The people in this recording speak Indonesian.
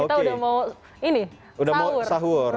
kita udah mau sahur